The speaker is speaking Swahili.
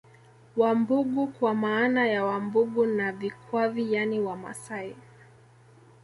Vambughu kwa maana ya Wambugu na Vakwavi yani Wamasai